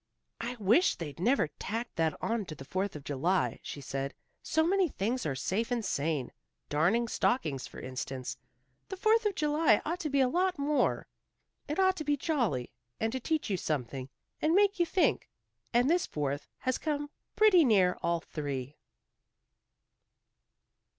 "I wish they'd never tacked that on to the Fourth of July," she said. "So many things are safe and sane, darning stockings, for instance. The Fourth of July ought to be a lot more. It ought to be jolly, and to teach you something, and make you think. And this Fourth has come pretty near all three."